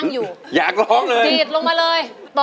สู้ครับ